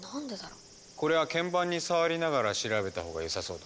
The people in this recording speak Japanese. これは鍵盤に触りながら調べたほうがよさそうだ。